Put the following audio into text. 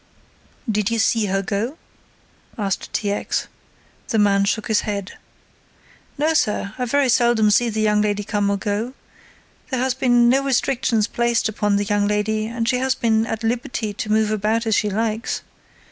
"Did you see her go?" asked T. X. The man shook his head. "No, sir, I very seldom see the lady come or go. There has been no restrictions placed upon the young lady and she has been at liberty to move about as she likes.